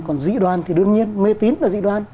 còn dị đoan thì đương nhiên mê tín là dị đoan